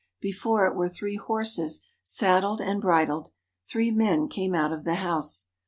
Before it were three horses saddled and bridled. Three men came out of the house.